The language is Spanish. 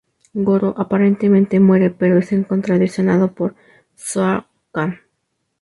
Goro aparentemente muere pero es encontrado y sanado por Shao Kahn.